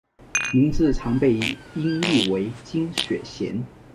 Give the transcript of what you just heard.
名字常被音译为金雪贤。